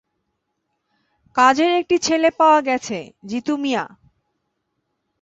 কাজের একটি ছেলে পাওয়া গেছে-জিতু মিয়া।